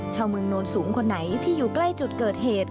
ชาวเมืองโน้นสูงคนไหนที่อยู่ใกล้จุดเกิดเหตุ